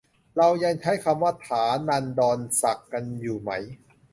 เรายังใช้คำว่าฐานันดรศักดิ์กันอยู่ไหม